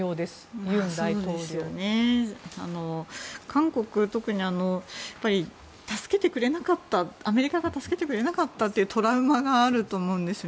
韓国は特にアメリカが助けてくれなかったというトラウマがあると思うんです。